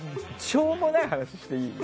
しょうもない話していい？